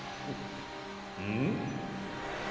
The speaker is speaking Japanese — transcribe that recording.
うん？